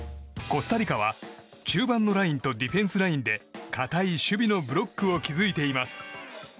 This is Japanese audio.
コスタリカは中盤のラインとディフェンスラインで堅い守備のブロックを築いています。